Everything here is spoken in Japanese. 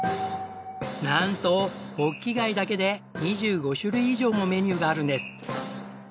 なんとホッキ貝だけで２５種類以上もメニューがあるんです。